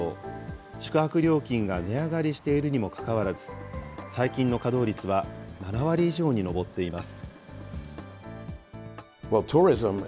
宿泊料金が値上がりしているにもかかわらず、最近の稼働率は７割以上に上っています。